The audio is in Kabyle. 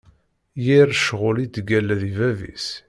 Yir ccɣel ittgalla di bab-is.